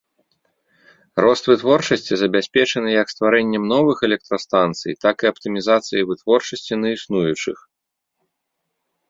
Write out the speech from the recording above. Рост вытворчасці забяспечаны як стварэннем новых электрастанцый, так і аптымізацыяй вытворчасці на існуючых.